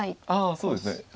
ああそうですね。